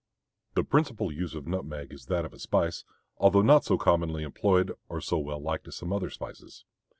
The principal use of nutmeg is that of a spice, although not so commonly employed or so well liked as some other spices.